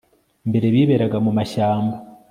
mbere biberaga mu ma shyamba